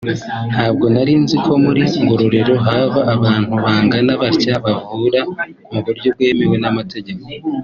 ntabwo narinzi ko muri Ngororero haba abantu bangana batya bavura mu buryo bwemewe n’amategeko